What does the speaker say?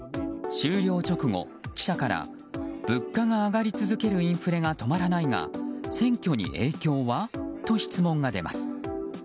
終了直後、記者から物価が上がり続けるインフレが止まらないが、選挙に影響は？と質問が出ます。